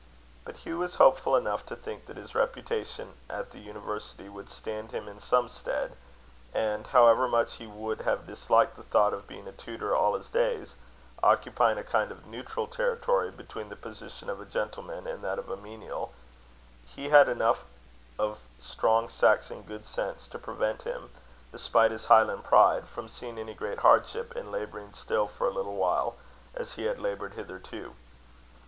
But Hugh was hopeful enough to think, that his reputation at the university would stand him in some stead; and, however much he would have disliked the thought of being a tutor all his days, occupying a kind of neutral territory between the position of a gentleman and that of a menial, he had enough of strong Saxon good sense to prevent him, despite his Highland pride, from seeing any great hardship in labouring still for a little while, as he had laboured hitherto.